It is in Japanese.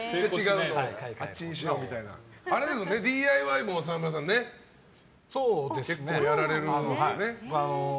ＤＩＹも沢村さんは結構やられるんですよね。